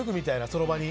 その場に。